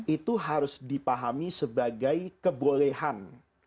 itu harus dipahami sebagai kebolehan